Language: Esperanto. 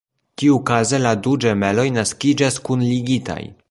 Tiukaze la du ĝemeloj naskiĝas kunligitaj.